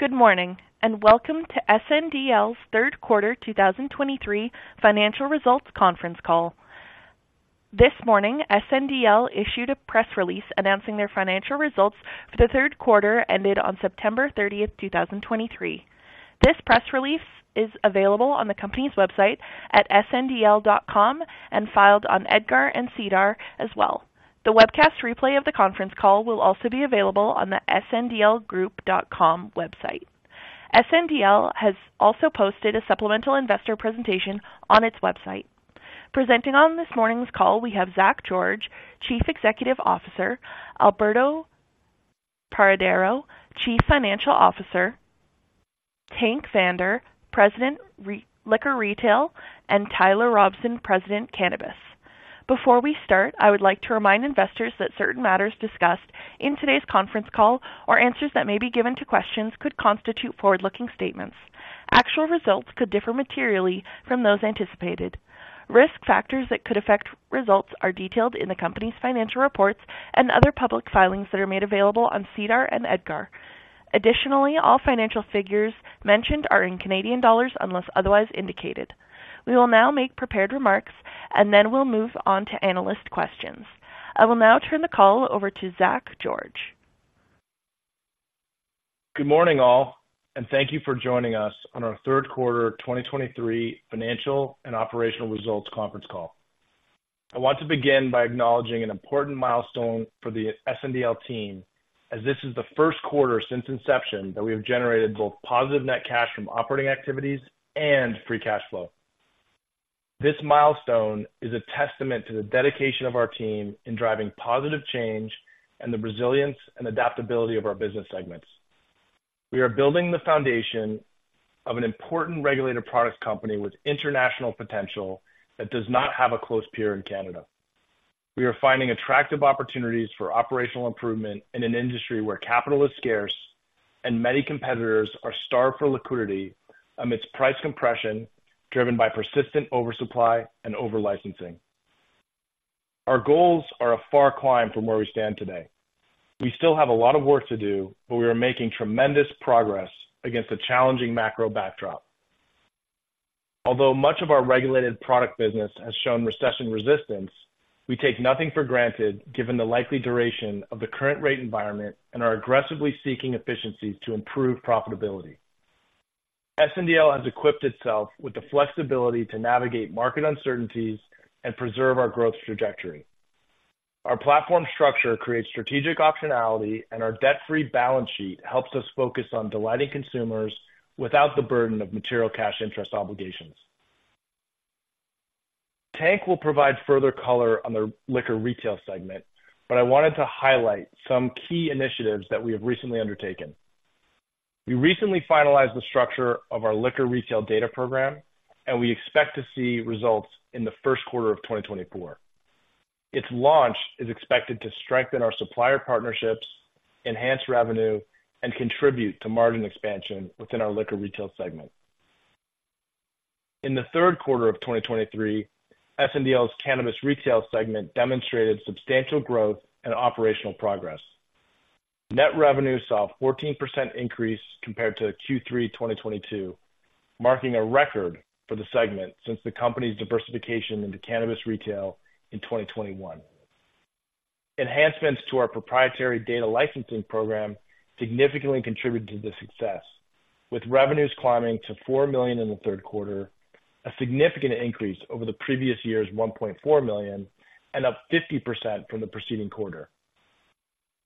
Good morning, and welcome to SNDL's third quarter 2023 financial results conference call. This morning, SNDL issued a press release announcing their financial results for the third quarter, ended on September thirtieth, two thousand and twenty-three. This press release is available on the company's website at sndl.com and filed on EDGAR and SEDAR as well. The webcast replay of the conference call will also be available on the sndlgroup.com website. SNDL has also posted a supplemental investor presentation on its website. Presenting on this morning's call, we have Zach George, Chief Executive Officer; Alberto Paredero-Quiros, Chief Financial Officer; Tank Vander, President, Liquor Retail; and Tyler Robson, President, Cannabis. Before we start, I would like to remind investors that certain matters discussed in today's conference call or answers that may be given to questions could constitute forward-looking statements. Actual results could differ materially from those anticipated. Risk factors that could affect results are detailed in the company's financial reports and other public filings that are made available on SEDAR and EDGAR. Additionally, all financial figures mentioned are in Canadian dollars, unless otherwise indicated. We will now make prepared remarks, and then we'll move on to analyst questions. I will now turn the call over to Zach George. Good morning, all, and thank you for joining us on our third quarter, 2023 financial and operational results conference call. I want to begin by acknowledging an important milestone for the SNDL team, as this is the first quarter since inception that we have generated both positive net cash from operating activities and free cash flow. This milestone is a testament to the dedication of our team in driving positive change and the resilience and adaptability of our business segments. We are building the foundation of an important regulated products company with international potential that does not have a close peer in Canada. We are finding attractive opportunities for operational improvement in an industry where capital is scarce and many competitors are starved for liquidity amidst price compression, driven by persistent oversupply and over-licensing. Our goals are a far climb from where we stand today. We still have a lot of work to do, but we are making tremendous progress against a challenging macro backdrop. Although much of our regulated product business has shown recession resistance, we take nothing for granted, given the likely duration of the current rate environment and are aggressively seeking efficiencies to improve profitability. SNDL has equipped itself with the flexibility to navigate market uncertainties and preserve our growth trajectory. Our platform structure creates strategic optionality, and our debt-free balance sheet helps us focus on delighting consumers without the burden of material cash interest obligations. Tank will provide further color on the liquor retail segment, but I wanted to highlight some key initiatives that we have recently undertaken. We recently finalized the structure of our liquor retail data program, and we expect to see results in the first quarter of 2024. Its launch is expected to strengthen our supplier partnerships, enhance revenue, and contribute to margin expansion within our liquor retail segment. In the third quarter of 2023, SNDL's cannabis retail segment demonstrated substantial growth and operational progress. Net revenue saw a 14% increase compared to Q3 2022, marking a record for the segment since the company's diversification into cannabis retail in 2021. Enhancements to our proprietary data licensing program significantly contributed to this success, with revenues climbing to 4 million in the third quarter, a significant increase over the previous year's 1.4 million, and up 50% from the preceding quarter.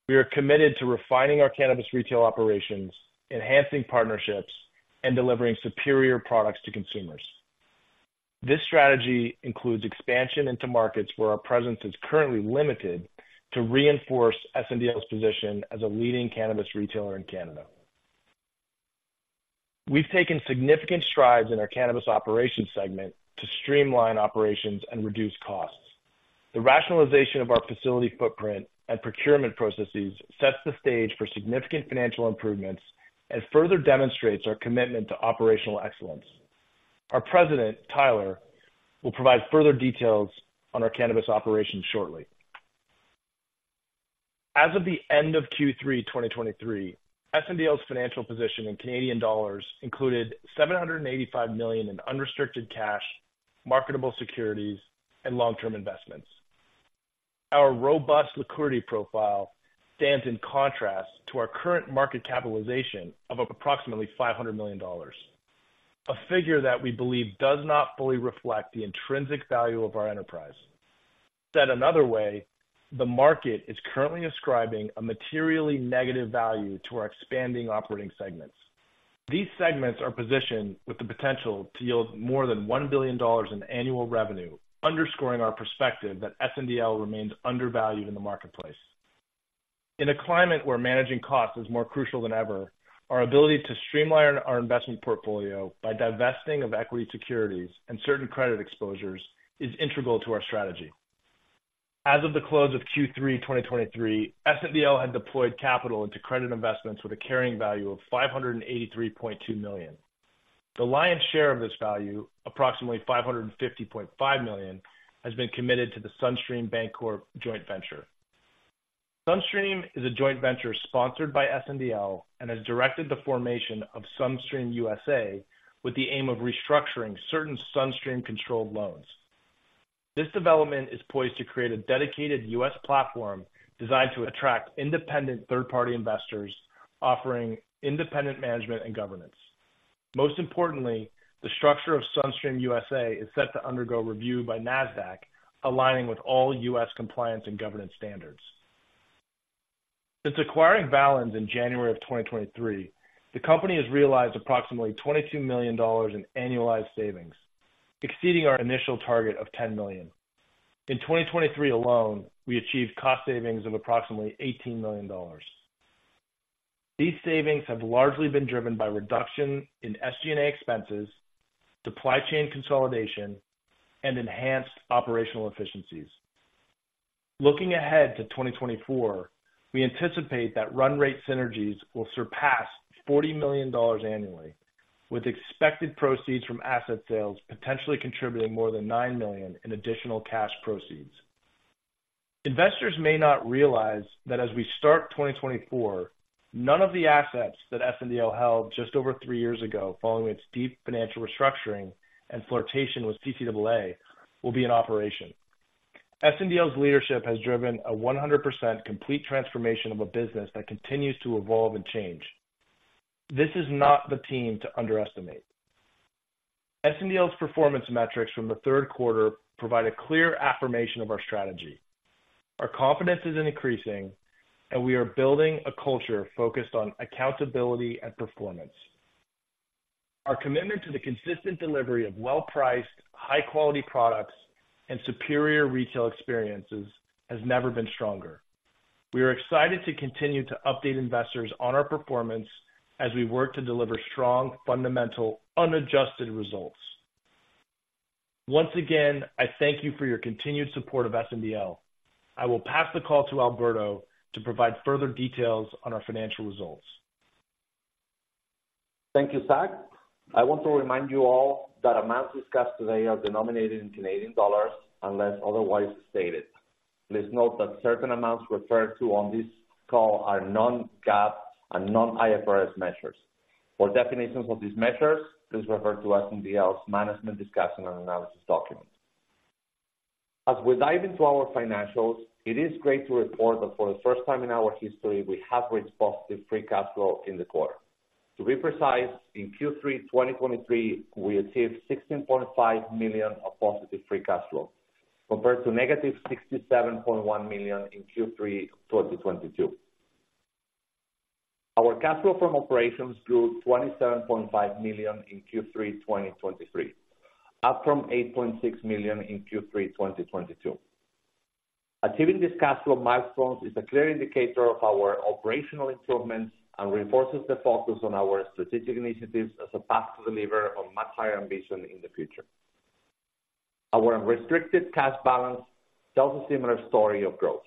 We are committed to refining our cannabis retail operations, enhancing partnerships, and delivering superior products to consumers. This strategy includes expansion into markets where our presence is currently limited to reinforce SNDL's position as a leading cannabis retailer in Canada. We've taken significant strides in our cannabis operations segment to streamline operations and reduce costs. The rationalization of our facility footprint and procurement processes sets the stage for significant financial improvements and further demonstrates our commitment to operational excellence. Our president, Tyler, will provide further details on our cannabis operations shortly. As of the end of Q3 2023, SNDL's financial position in Canadian dollars included 785 million in unrestricted cash, marketable securities, and long-term investments. Our robust liquidity profile stands in contrast to our current market capitalization of approximately $500 million, a figure that we believe does not fully reflect the intrinsic value of our enterprise. Said another way, the market is currently ascribing a materially negative value to our expanding operating segments. These segments are positioned with the potential to yield more than $1 billion in annual revenue, underscoring our perspective that SNDL remains undervalued in the marketplace. In a climate where managing costs is more crucial than ever, our ability to streamline our investment portfolio by divesting of equity securities and certain credit exposures is integral to our strategy. As of the close of Q3 2023, SNDL had deployed capital into credit investments with a carrying value of 583.2 million. The lion's share of this value, approximately 550.5 million, has been committed to the SunStream Bancorp joint venture. Sunstream is a joint venture sponsored by SNDL and has directed the formation of SunStream USA, with the aim of restructuring certain SunStream-controlled loans. This development is poised to create a dedicated U.S. platform designed to attract independent third-party investors, offering independent management and governance. Most importantly, the structure of SunStream USA is set to undergo review by Nasdaq, aligning with all U.S. compliance and governance standards. Since acquiring Valens in January of 2023, the company has realized approximately $22 million in annualized savings, exceeding our initial target of 10 million. In 2023 alone, we achieved cost savings of approximately $18 million. These savings have largely been driven by reduction in SG&A expenses, supply chain consolidation, and enhanced operational efficiencies. Looking ahead to 2024, we anticipate that run rate synergies will surpass $40 million annually, with expected proceeds from asset sales potentially contributing more than 9 million in additional cash proceeds. Investors may not realize that as we start 2024, none of the assets that SNDL held just over three years ago, following its deep financial restructuring and flirtation with CCAA, will be in operation. SNDL's leadership has driven a 100% complete transformation of a business that continues to evolve and change. This is not the team to underestimate. SNDL's performance metrics from the third quarter provide a clear affirmation of our strategy. Our confidence is increasing, and we are building a culture focused on accountability and performance. Our commitment to the consistent delivery of well-priced, high-quality products and superior retail experiences has never been stronger. We are excited to continue to update investors on our performance as we work to deliver strong, fundamental, unadjusted results. Once again, I thank you for your continued support of SNDL. I will pass the call to Alberto to provide further details on our financial results. Thank you, Zach. I want to remind you all that amounts discussed today are denominated in Canadian dollars, unless otherwise stated. Please note that certain amounts referred to on this call are non-GAAP and non-IFRS measures. For definitions of these measures, please refer to SNDL's Management's Discussion and Analysis document. As we dive into our financials, it is great to report that for the first time in our history, we have reached positive free cash flow in the quarter. To be precise, in Q3 2023, we achieved 16.5 million of positive free cash flow, compared to -67.1 million in Q3 2022. Our cash flow from operations grew 27.5 million in Q3 2023, up from 8.6 million in Q3 2022. Achieving this cash flow milestone is a clear indicator of our operational improvements and reinforces the focus on our strategic initiatives as a path to deliver a much higher ambition in the future. Our restricted cash balance tells a similar story of growth,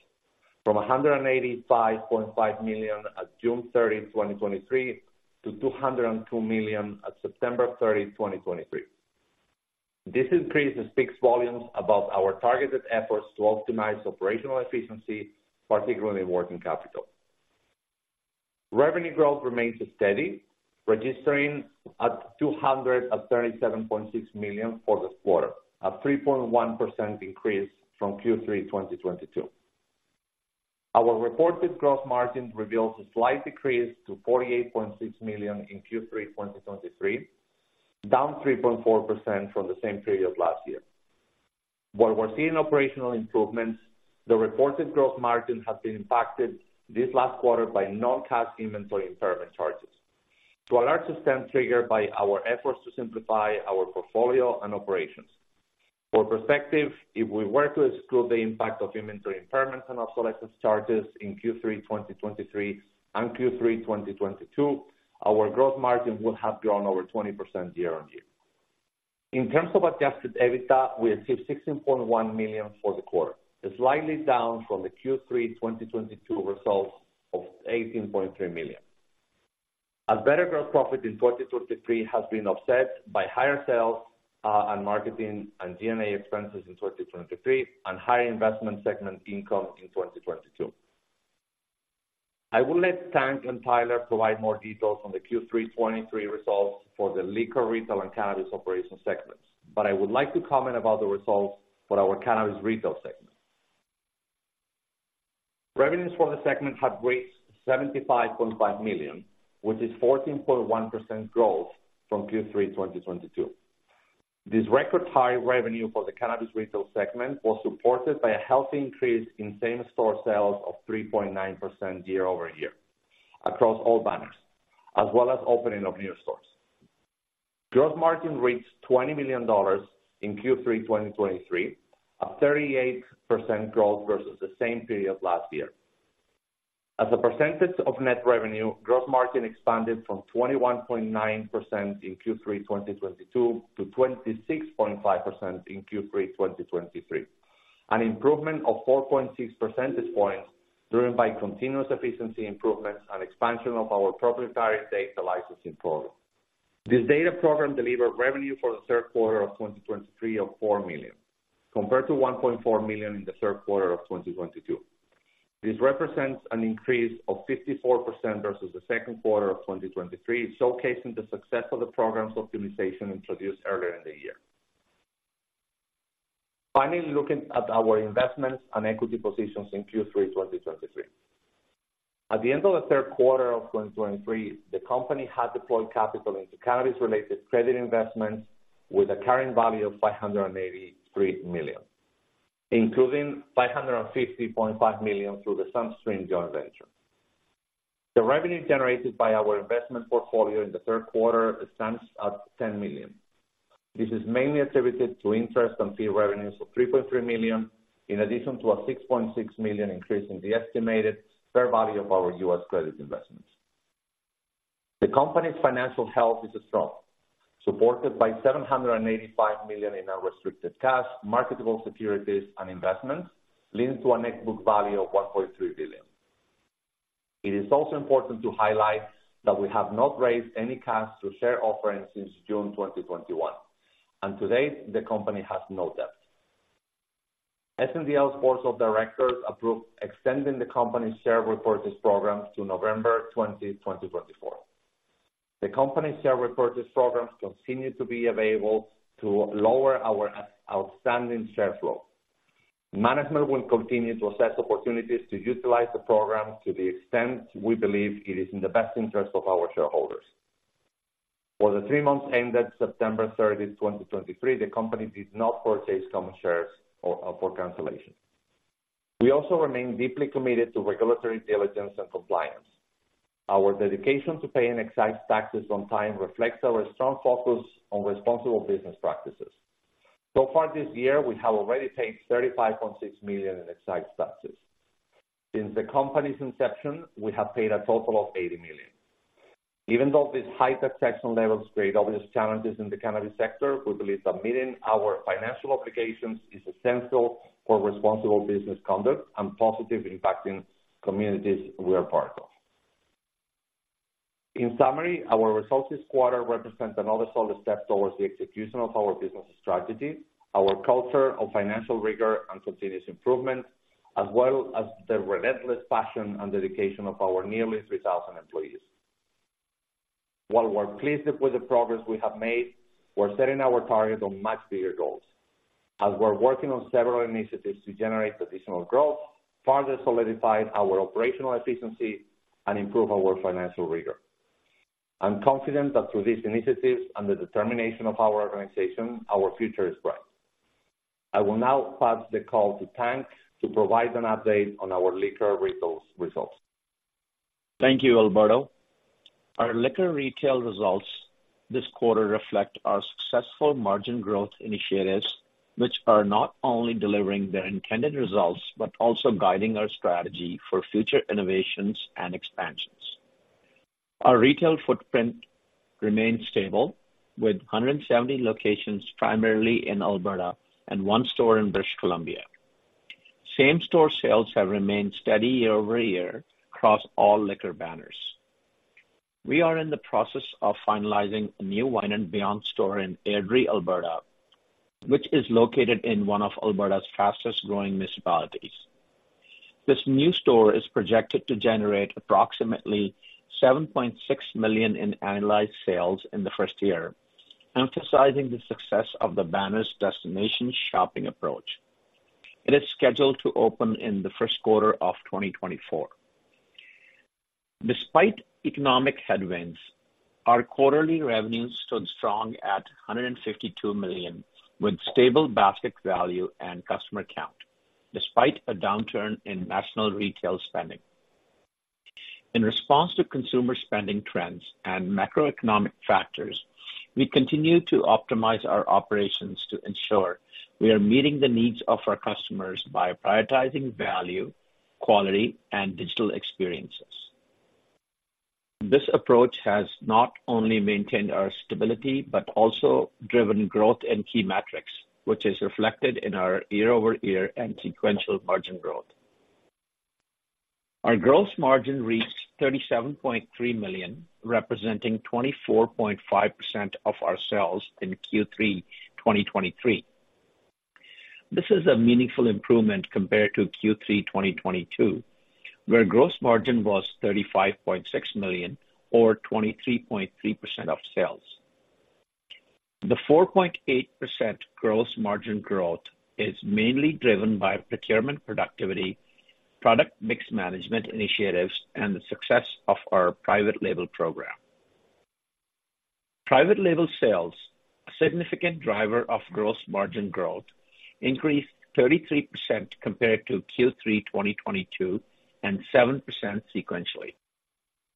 from 185.5 million at June 30, 2023, to 202 million at September 30, 2023. This increase speaks volumes about our targeted efforts to optimize operational efficiency, particularly working capital. Revenue growth remains steady, registering at 237.6 million for the quarter, a 3.1% increase from Q3 2022. Our reported gross margin reveals a slight decrease to 48.6 million in Q3 2023, down 3.4% from the same period last year. While we're seeing operational improvements, the reported gross margin has been impacted this last quarter by non-cash inventory impairment charges to a large extent, triggered by our efforts to simplify our portfolio and operations. For perspective, if we were to exclude the impact of inventory impairments and our selected charges in Q3 2023 and Q3 2022, our gross margin would have grown over 20% year-on-year. In terms of adjusted EBITDA, we achieved 16.1 million for the quarter, slightly down from the Q3 2022 results of 18.3 million. A better gross profit in 2023 has been offset by higher sales, and marketing and SG&A expenses in 2023, and higher investment segment income in 2022. I will let Tank and Tyler provide more details on the Q3 2023 results for the liquor retail and cannabis operations segments, but I would like to comment about the results for our cannabis retail segment. Revenues for the segment have reached 75.5 million, which is 14.1% growth from Q3 2022. This record high revenue for the cannabis retail segment was supported by a healthy increase in same-store sales of 3.9% year-over-year across all banners, as well as opening of new stores. Gross margin reached $20 million in Q3 2023, a 38% growth versus the same period last year. As a percentage of net revenue, gross margin expanded from 21.9% in Q3 2022 to 26.5% in Q3 2023, an improvement of 4.6 percentage points, driven by continuous efficiency improvements and expansion of our proprietary data licensing product... This data program delivered revenue for the third quarter of 2023 of 4 million, compared to 1.4 million in the third quarter of 2022. This represents an increase of 54% versus the second quarter of 2023, showcasing the success of the program's optimization introduced earlier in the year. Finally, looking at our investments and equity positions in Q3 2023. At the end of the third quarter of 2023, the company had deployed capital into cannabis-related credit investments with a current value of 583 million, including 550.5 million through the Sunstream joint venture. The revenue generated by our investment portfolio in the third quarter stands at 10 million. This is mainly attributed to interest and fee revenues of 3.3 million, in addition to a 6.6 million increase in the estimated fair value of our U.S. credit investments. The company's financial health is strong, supported by 785 million in unrestricted cash, marketable securities, and investments, leading to a net book value of 1.3 billion. It is also important to highlight that we have not raised any cash through share offerings since June 2021, and to date, the company has no debt. SNDL's board of directors approved extending the company's share repurchase program to November 20, 2024. The company's share repurchase programs continue to be available to lower our outstanding share float. Management will continue to assess opportunities to utilize the program to the extent we believe it is in the best interest of our shareholders. For the three months ended September 30, 2023, the company did not purchase common shares for cancellation. We also remain deeply committed to regulatory diligence and compliance. Our dedication to paying excise taxes on time reflects our strong focus on responsible business practices. So far this year, we have already paid 35.6 million in excise taxes. Since the company's inception, we have paid a total of 80 million. Even though these high taxation levels create obvious challenges in the cannabis sector, we believe that meeting our financial obligations is essential for responsible business conduct and positive impacting communities we are part of. In summary, our results this quarter represent another solid step towards the execution of our business strategy, our culture of financial rigor and continuous improvement, as well as the relentless passion and dedication of our nearly 3,000 employees. While we're pleased with the progress we have made, we're setting our target on much bigger goals, as we're working on several initiatives to generate additional growth, further solidify our operational efficiency, and improve our financial rigor. I'm confident that through these initiatives and the determination of our organization, our future is bright. I will now pass the call to Tank to provide an update on our liquor retail results. Thank you, Alberto. Our liquor retail results this quarter reflect our successful margin growth initiatives, which are not only delivering their intended results, but also guiding our strategy for future innovations and expansions. Our retail footprint remains stable, with 170 locations, primarily in Alberta and one store in British Columbia. Same-store sales have remained steady year-over-year across all liquor banners. We are in the process of finalizing a new Wine and Beyond store in Airdrie, Alberta, which is located in one of Alberta's fastest-growing municipalities. This new store is projected to generate approximately 7.6 million in annualized sales in the first year, emphasizing the success of the banner's destination shopping approach. It is scheduled to open in the first quarter of 2024. Despite economic headwinds, our quarterly revenues stood strong at 152 million, with stable basket value and customer count, despite a downturn in national retail spending. In response to consumer spending trends and macroeconomic factors, we continue to optimize our operations to ensure we are meeting the needs of our customers by prioritizing value, quality, and digital experiences. This approach has not only maintained our stability, but also driven growth in key metrics, which is reflected in our year-over-year and sequential margin growth. Our gross margin reached 37.3 million, representing 24.5% of our sales in Q3 2023. This is a meaningful improvement compared to Q3 2022, where gross margin was 35.6 million or 23.3% of sales. The 4.8% gross margin growth is mainly driven by procurement, productivity, product mix management initiatives, and the success of our private label program. Private label sales, a significant driver of gross margin growth, increased 33% compared to Q3 2022, and 7% sequentially.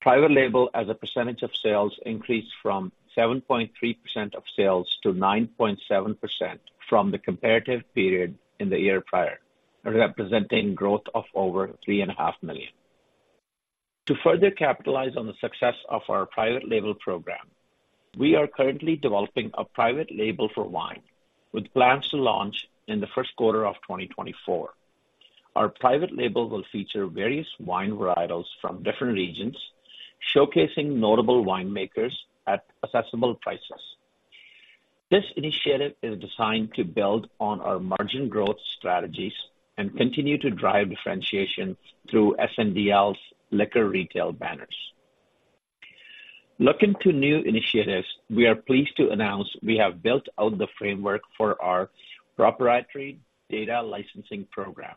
Private label, as a percentage of sales, increased from 7.3% of sales to 9.7% from the comparative period in the year prior, representing growth of over 3.5 million. To further capitalize on the success of our private label program, we are currently developing a private label for wine, with plans to launch in the first quarter of 2024.... Our private label will feature various wine varietals from different regions, showcasing notable winemakers at accessible prices. This initiative is designed to build on our margin growth strategies and continue to drive differentiation through SNDL's liquor retail banners. Looking to new initiatives, we are pleased to announce we have built out the framework for our proprietary data licensing program.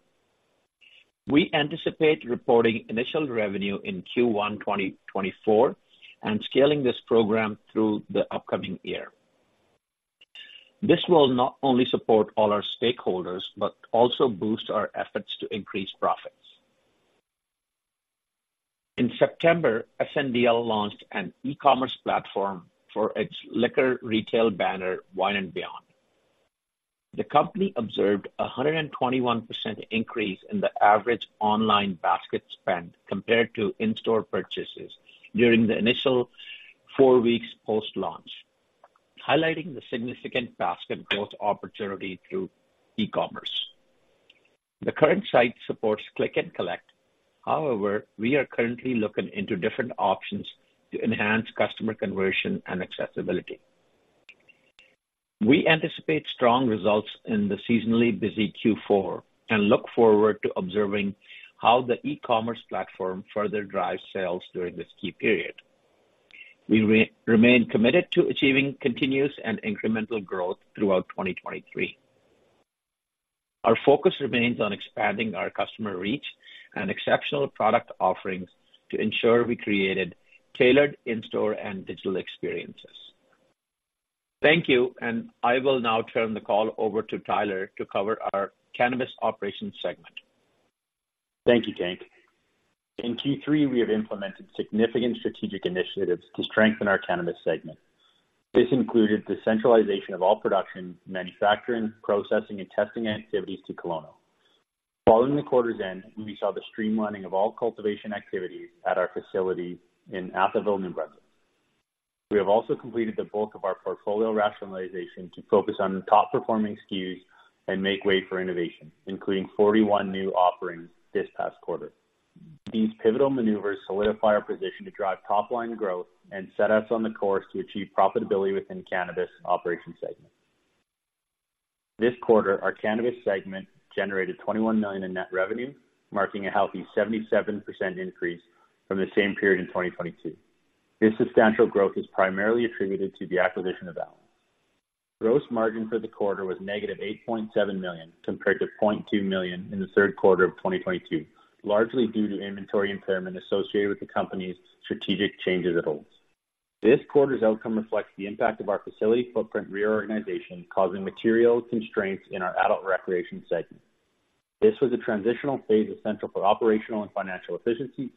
We anticipate reporting initial revenue in Q1 2024, and scaling this program through the upcoming year. This will not only support all our stakeholders, but also boost our efforts to increase profits. In September, SNDL launched an e-commerce platform for its liquor retail banner, Wine and Beyond. The company observed a 121% increase in the average online basket spend compared to in-store purchases during the initial four weeks post-launch, highlighting the significant basket growth opportunity through e-commerce. The current site supports click and collect. However, we are currently looking into different options to enhance customer conversion and accessibility. We anticipate strong results in the seasonally busy Q4 and look forward to observing how the e-commerce platform further drives sales during this key period. We remain committed to achieving continuous and incremental growth throughout 2023. Our focus remains on expanding our customer reach and exceptional product offerings to ensure we created tailored in-store and digital experiences. Thank you, and I will now turn the call over to Tyler to cover our cannabis operations segment. Thank you, Tank. In Q3, we have implemented significant strategic initiatives to strengthen our cannabis segment. This included the centralization of all production, manufacturing, processing, and testing activities to Kelowna. Following the quarter's end, we saw the streamlining of all cultivation activities at our facility in Atholville, New Brunswick. We have also completed the bulk of our portfolio rationalization to focus on top-performing SKUs and make way for innovation, including 41 new offerings this past quarter. These pivotal maneuvers solidify our position to drive top-line growth and set us on the course to achieve profitability within cannabis operations segment. This quarter, our cannabis segment generated 21 million in net revenue, marking a healthy 77% increase from the same period in 2022. This substantial growth is primarily attributed to the acquisition of Alcanna. Gross margin for the quarter was -8.7 million, compared to 0.2 million in the third quarter of 2022, largely due to inventory impairment associated with the company's strategic changes at Olds. This quarter's outcome reflects the impact of our facility footprint reorganization, causing material constraints in our adult recreation segment. This was a transitional phase, essential for operational and financial efficiency.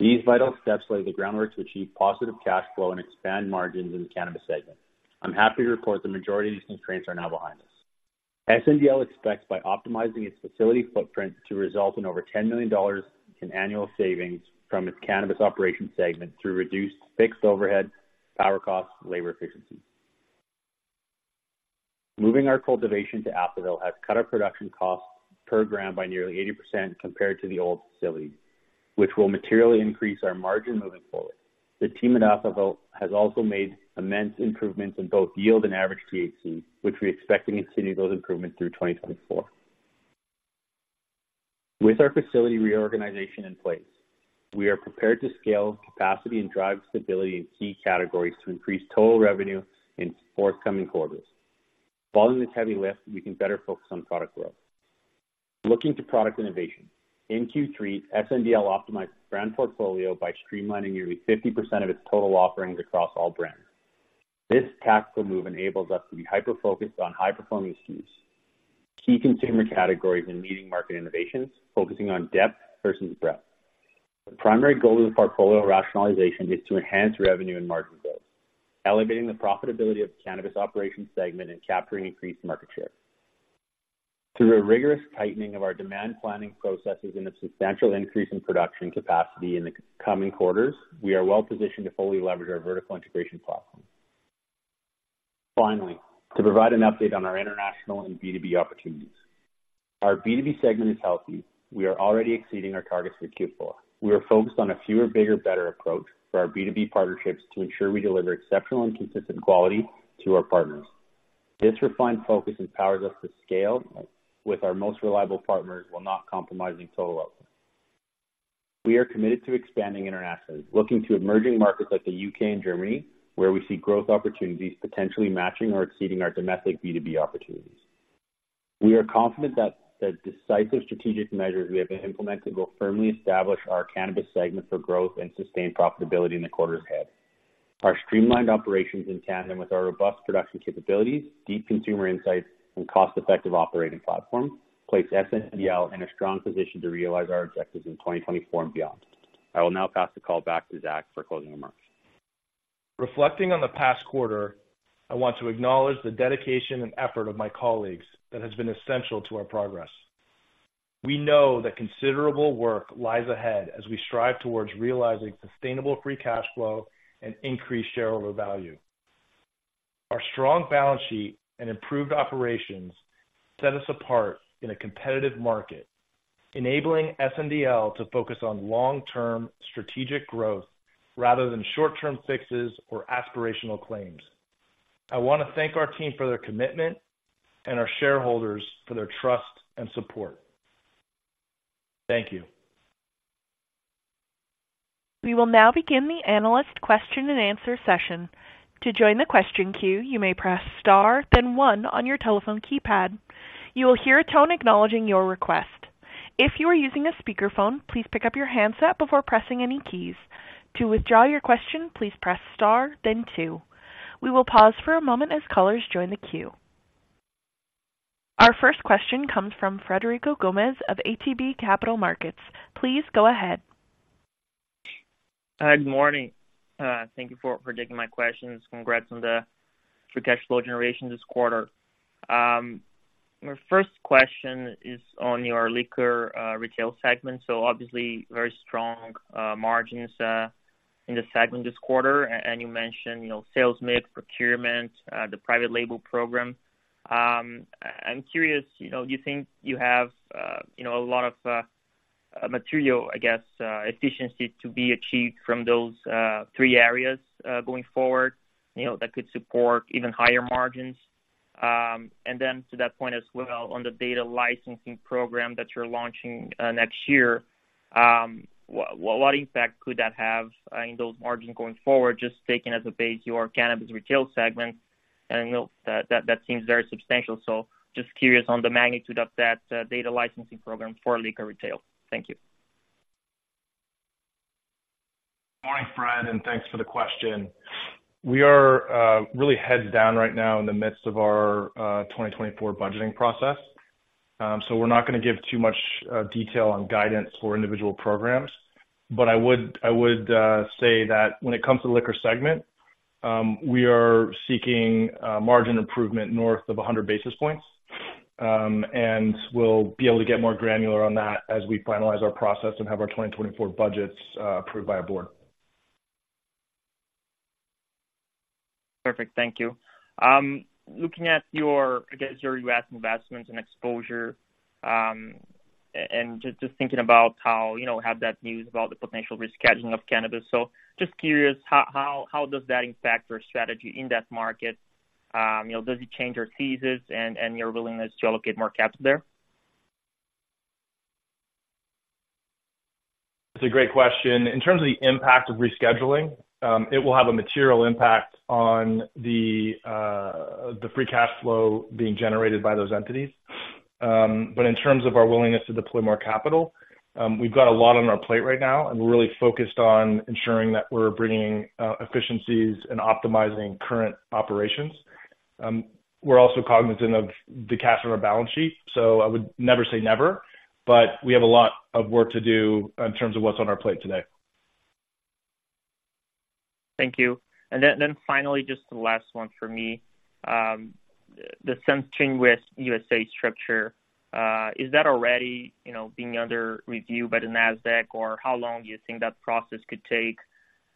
These vital steps lay the groundwork to achieve positive cash flow and expand margins in the cannabis segment. I'm happy to report the majority of these constraints are now behind us. SNDL expects, by optimizing its facility footprint, to result in over $10 million in annual savings from its cannabis operations segment through reduced fixed overhead, power costs, and labor efficiency. Moving our cultivation to Atholville has cut our production costs per gram by nearly 80% compared to the old facility, which will materially increase our margin moving forward. The team at Atholville has also made immense improvements in both yield and average THC, which we expect to continue those improvements through 2024. With our facility reorganization in place, we are prepared to scale capacity and drive stability in key categories to increase total revenue in forthcoming quarters. Following this heavy lift, we can better focus on product growth. Looking to product innovation. In Q3, SNDL optimized its brand portfolio by streamlining nearly 50% of its total offerings across all brands. This tactical move enables us to be hyper-focused on high-performing SKUs, key consumer categories, and leading market innovations, focusing on depth versus breadth. The primary goal of the portfolio rationalization is to enhance revenue and margin growth, elevating the profitability of the cannabis operations segment and capturing increased market share. Through a rigorous tightening of our demand planning processes and a substantial increase in production capacity in the coming quarters, we are well positioned to fully leverage our vertical integration platform. Finally, to provide an update on our international and B2B opportunities. Our B2B segment is healthy. We are already exceeding our targets for Q4. We are focused on a fewer, bigger, better approach for our B2B partnerships to ensure we deliver exceptional and consistent quality to our partners. This refined focus empowers us to scale with our most reliable partners while not compromising total output. We are committed to expanding internationally, looking to emerging markets like the U.K. and Germany, where we see growth opportunities potentially matching or exceeding our domestic B2B opportunities. We are confident that the decisive strategic measures we have implemented will firmly establish our cannabis segment for growth and sustained profitability in the quarters ahead. Our streamlined operations, in tandem with our robust production capabilities, deep consumer insights, and cost-effective operating platform, place SNDL in a strong position to realize our objectives in 2024 and beyond. I will now pass the call back to Zach for closing remarks. Reflecting on the past quarter, I want to acknowledge the dedication and effort of my colleagues that has been essential to our progress. We know that considerable work lies ahead as we strive towards realizing sustainable free cash flow and increased shareholder value.... strong balance sheet and improved operations set us apart in a competitive market, enabling SNDL to focus on long-term strategic growth rather than short-term fixes or aspirational claims. I want to thank our team for their commitment and our shareholders for their trust and support. Thank you. We will now begin the analyst question and answer session. To join the question queue, you may press star, then one on your telephone keypad. You will hear a tone acknowledging your request. If you are using a speakerphone, please pick up your handset before pressing any keys. To withdraw your question, please press star then two. We will pause for a moment as callers join the queue. Our first question comes from Frederico Gomes of ATB Capital Markets. Please go ahead. Good morning. Thank you for taking my questions. Congrats on the free cash flow generation this quarter. My first question is on your liquor retail segment. So obviously, very strong margins in the segment this quarter, and you mentioned, you know, sales mix, procurement, the private label program. I'm curious, you know, do you think you have, you know, a lot of material, I guess, efficiency to be achieved from those three areas, going forward, you know, that could support even higher margins? And then to that point as well, on the data licensing program that you're launching next year, what impact could that have in those margins going forward, just taking as a base, your cannabis retail segment? And, you know, that, that seems very substantial. Just curious on the magnitude of that data licensing program for liquor retail. Thank you. Morning, Fred, and thanks for the question. We are really heads down right now in the midst of our 2024 budgeting process. So we're not gonna give too much detail on guidance for individual programs. But I would, I would say that when it comes to the liquor segment, we are seeking margin improvement north of 100 basis points. And we'll be able to get more granular on that as we finalize our process and have our 2024 budgets approved by our board. Perfect. Thank you. Looking at your, I guess, your U.S. investments and exposure, and just thinking about how, you know, have that news about the potential rescheduling of cannabis. So just curious, how does that impact your strategy in that market? You know, does it change your thesis and your willingness to allocate more capital there? It's a great question. In terms of the impact of rescheduling, it will have a material impact on the free cash flow being generated by those entities. But in terms of our willingness to deploy more capital, we've got a lot on our plate right now, and we're really focused on ensuring that we're bringing efficiencies and optimizing current operations. We're also cognizant of the cash on our balance sheet, so I would never say never, but we have a lot of work to do in terms of what's on our plate today. Thank you. And then finally, just the last one for me. The SunStream USA structure, is that already, you know, being under review by the Nasdaq, or how long do you think that process could take?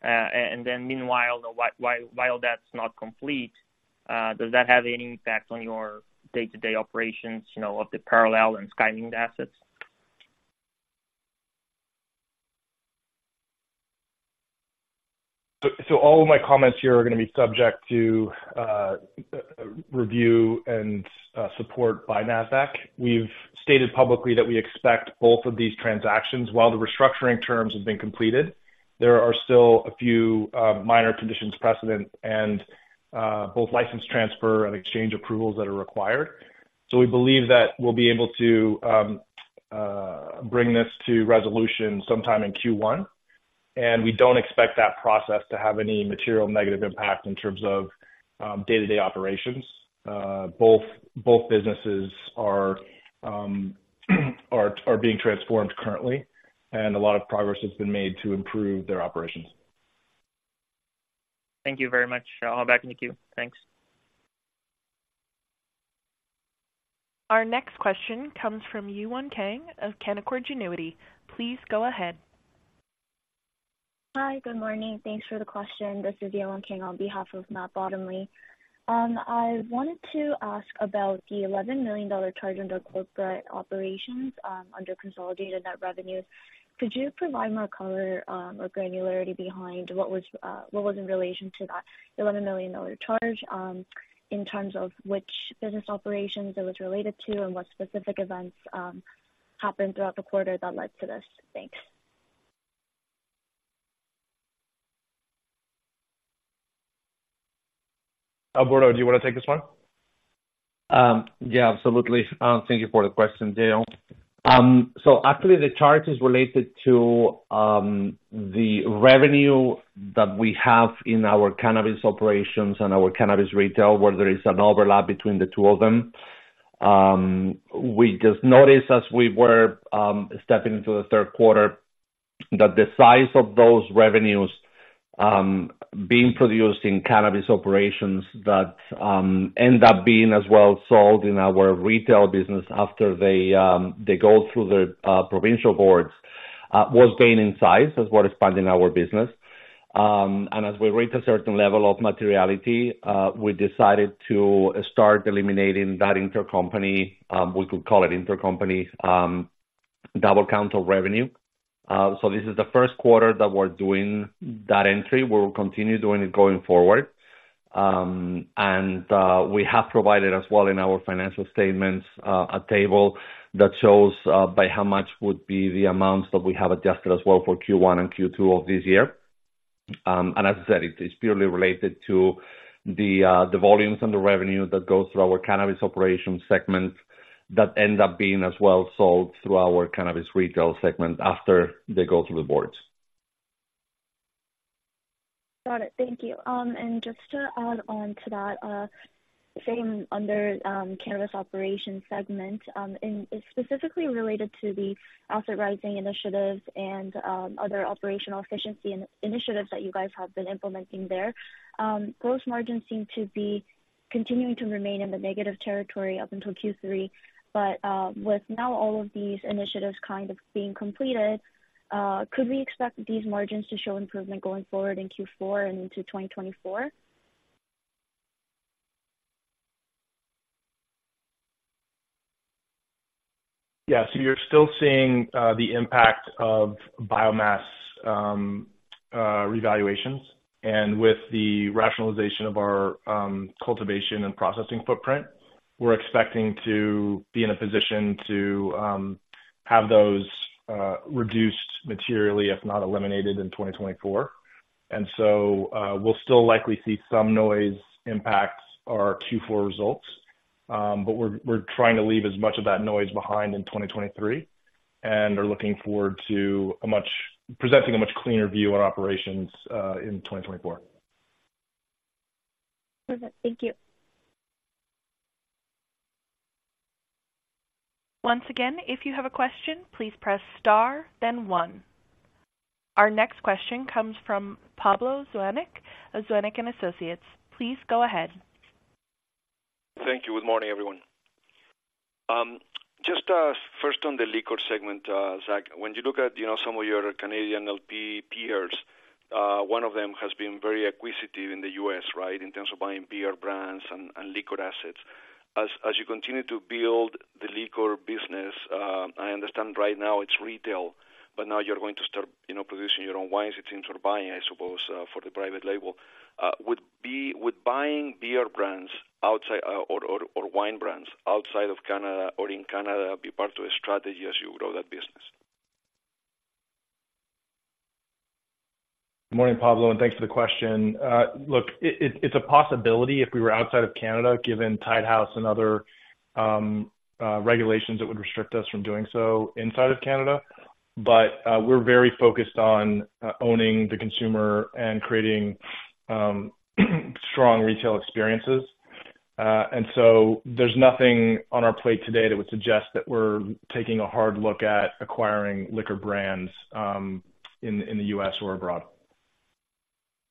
And then meanwhile, while that's not complete, does that have any impact on your day-to-day operations, you know, of the Parallel and Skymint assets? So all of my comments here are gonna be subject to review and support by Nasdaq. We've stated publicly that we expect both of these transactions. While the restructuring terms have been completed, there are still a few minor conditions precedent and both license transfer and exchange approvals that are required. So we believe that we'll be able to bring this to resolution sometime in Q1, and we don't expect that process to have any material negative impact in terms of day-to-day operations. Both businesses are being transformed currently, and a lot of progress has been made to improve their operations. Thank you very much. I'll hop back in the queue. Thanks. Our next question comes from Yewon Kang of Canaccord Genuity. Please go ahead. Hi, good morning. Thanks for the question. This is Yewon Kang on behalf of Matt Bottomley. I wanted to ask about the $11 million charge under corporate operations, under consolidated net revenues. Could you provide more color, or granularity behind what was, what was in relation to that $11 million charge, in terms of which business operations it was related to and what specific events, happened throughout the quarter that led to this? Thanks. Alberto, do you want to take this one? Yeah, absolutely. Thank you for the question, Yewon. So actually the charge is related to the revenue that we have in our cannabis operations and our cannabis retail, where there is an overlap between the two of them. We just noticed as we were stepping into the third quarter that the size of those revenues being produced in cannabis operations that end up being as well sold in our retail business after they go through the provincial boards was gaining size as we're expanding our business. And as we reach a certain level of materiality, we decided to start eliminating that intercompany, we could call it intercompany, double count of revenue. So this is the first quarter that we're doing that entry. We'll continue doing it going forward. And, we have provided as well in our financial statements a table that shows by how much would be the amounts that we have adjusted as well for Q1 and Q2 of this year. And as I said, it's purely related to the volumes and the revenue that goes through our cannabis operations segment that end up being as well sold through our cannabis retail segment after they go through the boards. Got it. Thank you. And just to add on to that, staying under cannabis operations segment, and it's specifically related to the asset right-sizing initiatives and other operational efficiency initiatives that you guys have been implementing there. Gross margins seem to be continuing to remain in the negative territory up until Q3, but with now all of these initiatives kind of being completed, could we expect these margins to show improvement going forward in Q4 and into 2024? Yeah. So you're still seeing the impact of biomass revaluations. With the rationalization of our cultivation and processing footprint, we're expecting to be in a position to have those reduced materially, if not eliminated in 2024. So we'll still likely see some noise impacts our Q4 results. But we're trying to leave as much of that noise behind in 2023, and are looking forward to presenting a much cleaner view on operations in 2024. Perfect. Thank you. Once again, if you have a question, please press star, then one. Our next question comes from Pablo Zuanic of Zuanic and Associates. Please go ahead. Thank you. Good morning, everyone. Just, first on the liquor segment, Zach, when you look at, you know, some of your Canadian LP peers, one of them has been very acquisitive in the U.S., right? In terms of buying beer brands and liquor assets. As you continue to build the liquor business, I understand right now it's retail, but now you're going to start, you know, producing your own wines it seems, or buying, I suppose, for the private label. Would buying beer brands outside, or wine brands outside of Canada or in Canada, be part of a strategy as you grow that business? Good morning, Pablo, and thanks for the question. Look, it's a possibility if we were outside of Canada, given tied house and other regulations that would restrict us from doing so inside of Canada. But, we're very focused on owning the consumer and creating strong retail experiences. And so there's nothing on our plate today that would suggest that we're taking a hard look at acquiring liquor brands, in the U.S. or abroad.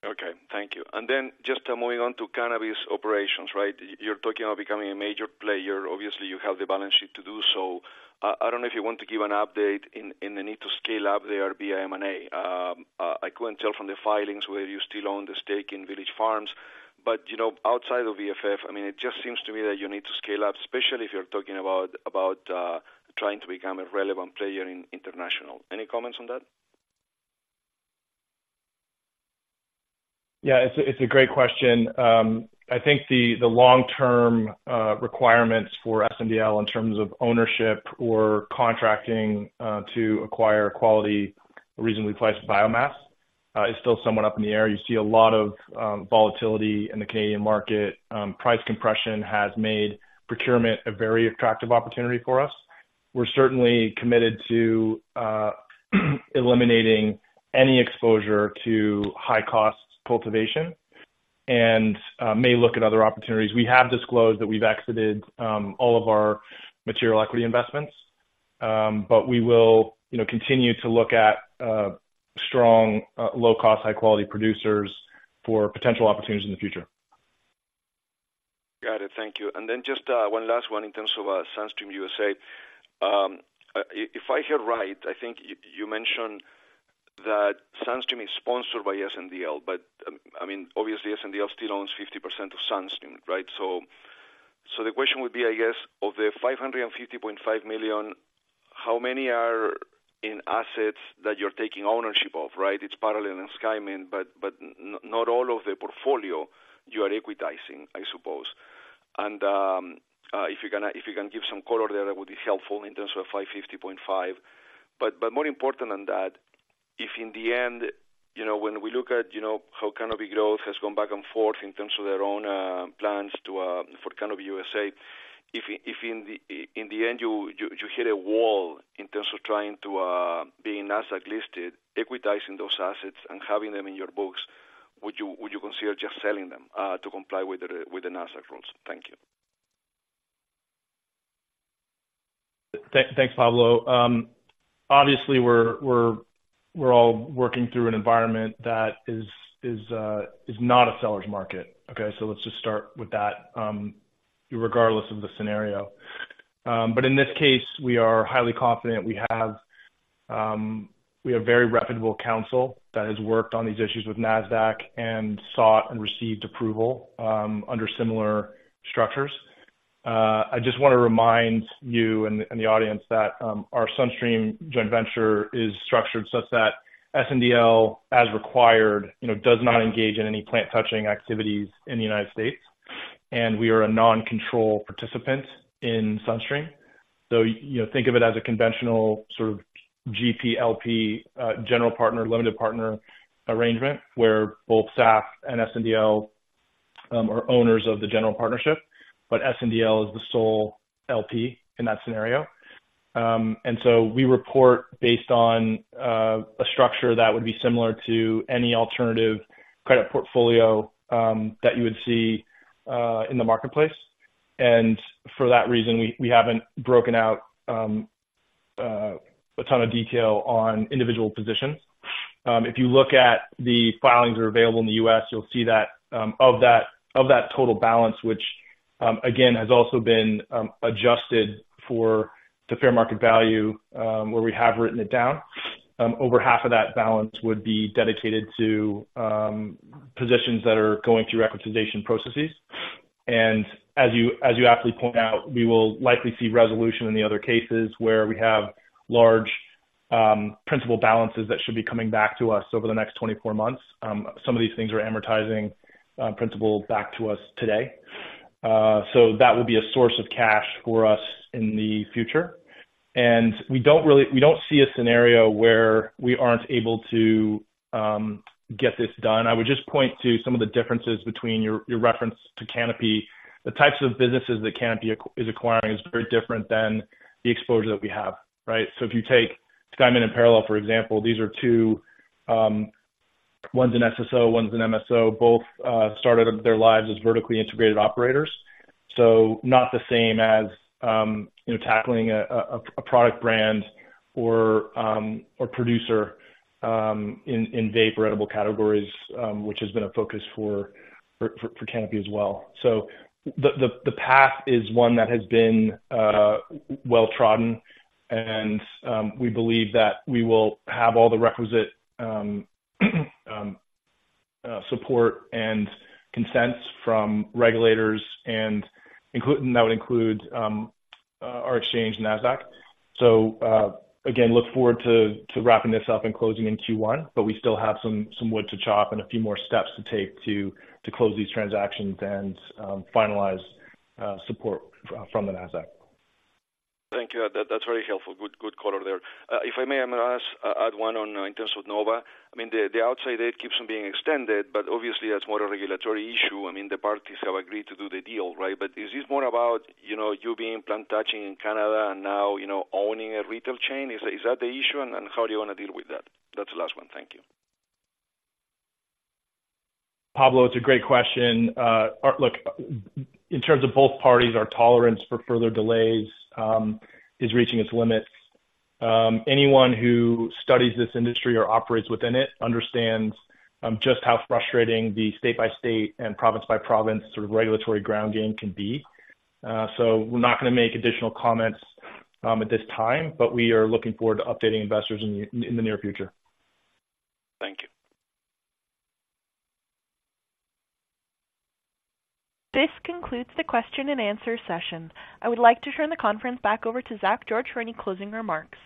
Okay. Thank you. And then just moving on to cannabis operations, right? You're talking about becoming a major player. Obviously, you have the balance sheet to do so. I don't know if you want to give an update in, in the need to scale up the biomass. I couldn't tell from the filings whether you still own the stake in Village Farms, but, you know, outside of VFF, I mean, it just seems to me that you need to scale up, especially if you're talking about, about, trying to become a relevant player in international. Any comments on that? Yeah, it's a great question. I think the long term requirements for SNDL in terms of ownership or contracting to acquire quality, reasonably priced biomass is still somewhat up in the air. You see a lot of volatility in the Canadian market. Price compression has made procurement a very attractive opportunity for us. We're certainly committed to eliminating any exposure to high cost cultivation, and may look at other opportunities. We have disclosed that we've exited all of our material equity investments, but we will, you know, continue to look at strong low cost, high quality producers for potential opportunities in the future. Got it. Thank you. And then just, one last one in terms of SunStream USA. If I hear right, I think you mentioned that Sunstream is sponsored by SNDL, but, I mean, obviously SNDL still owns 50% of Sunstream, right? So, the question would be, I guess, of the 550.5 million, how many are in assets that you're taking ownership of, right? It's Parallel and Skymint, but, not all of the portfolio you are equitizing, I suppose. And, if you're gonna... If you can give some color there, that would be helpful in terms of 550.5. But more important than that, if in the end, you know, when we look at, you know, how Canopy Growth has gone back and forth in terms of their own plans to for Canopy USA, if in the end, you hit a wall in terms of trying to being Nasdaq listed, equitizing those assets and having them in your books, would you consider just selling them to comply with the Nasdaq rules? Thank you. Thanks, Pablo. Obviously, we're all working through an environment that is not a seller's market, okay? So let's just start with that, regardless of the scenario. But in this case, we are highly confident. We have very reputable counsel that has worked on these issues with Nasdaq and sought and received approval under similar structures. I just want to remind you and the audience that our Sunstream joint venture is structured such that SNDL, as required, you know, does not engage in any plant touching activities in the United States, and we are a non-control participant in Sunstream. So, you know, think of it as a conventional sort of GP, LP, general partner, limited partner arrangement, where both SAF and SNDL are owners of the general partnership, but SNDL is the sole LP in that scenario. And so we report based on a structure that would be similar to any alternative credit portfolio that you would see in the marketplace. And for that reason, we haven't broken out a ton of detail on individual positions. If you look at the filings that are available in the U.S., you'll see that of that total balance, which again has also been adjusted for the fair market value where we have written it down, over half of that balance would be dedicated to positions that are going through recapitalization processes. As you aptly point out, we will likely see resolution in the other cases where we have large principal balances that should be coming back to us over the next 24 months. Some of these things are amortizing principal back to us today. So that will be a source of cash for us in the future. And we don't really- we don't see a scenario where we aren't able to get this done. I would just point to some of the differences between your reference to Canopy. The types of businesses that Canopy is acquiring is very different than the exposure that we have, right? So if you take Skymint and Parallel, for example, these are two, one's an SSO, one's an MSO. Both started their lives as vertically integrated operators. So not the same as, you know, tackling a product brand or producer in vape or edible categories, which has been a focus for Canopy as well. So the path is one that has been well-trodden, and we believe that we will have all the requisite support and consents from regulators and including. That would include our exchange, Nasdaq. So again, look forward to wrapping this up and closing in Q1, but we still have some wood to chop and a few more steps to take to close these transactions and finalize support from the Nasdaq. Thank you. That, that's very helpful. Good, good color there. If I may, I'm gonna ask, add one on, in terms of Nova. I mean, the outside date keeps on being extended, but obviously that's more a regulatory issue. I mean, the parties have agreed to do the deal, right? But is this more about, you know, you being plant touching in Canada and now, you know, owning a retail chain? Is that the issue, and how do you want to deal with that? That's the last one. Thank you. Pablo, it's a great question. Look, in terms of both parties, our tolerance for further delays is reaching its limits. Anyone who studies this industry or operates within it understands just how frustrating the state by state and province by province sort of regulatory ground game can be. So we're not going to make additional comments at this time, but we are looking forward to updating investors in the near future. Thank you. This concludes the question and answer session. I would like to turn the conference back over to Zach George for any closing remarks.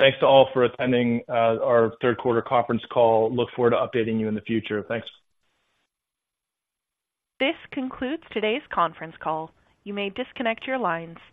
Thanks to all for attending our third quarter conference call. Look forward to updating you in the future. Thanks. This concludes today's conference call. You may disconnect your lines.